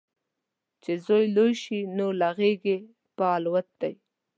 چې زوی لوی شي، نو له غیږې په الوت دی